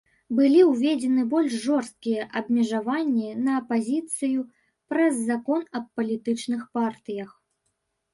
Былі ўведзены больш жорсткія абмежаванні на апазіцыю праз закон аб палітычных партыях.